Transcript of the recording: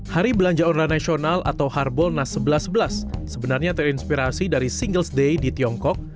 hari belanja online nasional atau harbolnas sebelas sebelas sebenarnya terinspirasi dari singles day di tiongkok